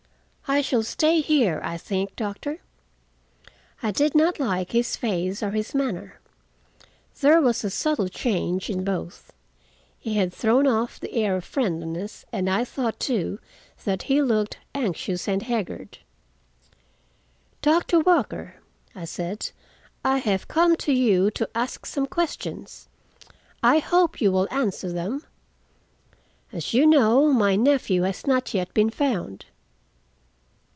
"I shall stay here, I think, doctor." I did not like his face or his manner; there was a subtle change in both. He had thrown off the air of friendliness, and I thought, too, that he looked anxious and haggard. "Doctor Walker," I said, "I have come to you to ask some questions. I hope you will answer them. As you know, my nephew has not yet been found."